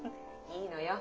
いいのよ。